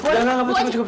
enggak enggak cukup